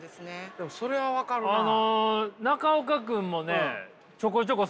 でもそれは分かるなあ。